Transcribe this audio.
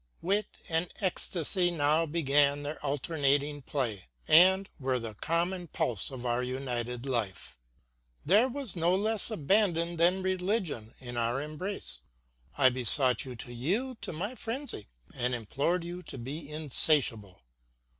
Wit and ecstasy now began their alternating play, and were the common pulse of our united life. There was no less abandon than religion in our embrace. I besought you to yield to my frenzy and implored you to be insatiable.